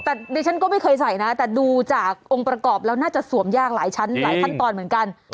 แต่ดิฉันก็ไม่เคยใส่นะแต่ดูจากองค์ประกอบแล้วน่าจะสวมยากหลายชั้นหลายขั้นตอนเหมือนกัน